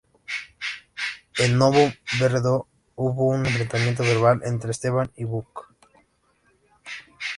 En Novo Brdo, hubo un enfrentamiento verbal entre Esteban y Vuk.